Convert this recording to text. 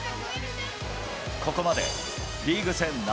ここまでリーグ戦７